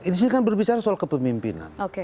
di sini kan berbicara soal kepemimpinan